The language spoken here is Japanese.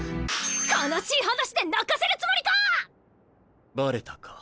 悲しい話で泣かせるつもりか⁉バレたか。